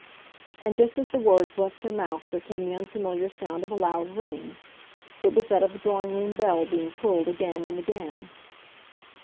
And just as the words left her mouth there came the unfamiliar sound of a loud ring. It was that of the drawing room bell being pulled again and again.